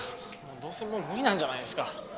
どうせもう無理なんじゃないですか。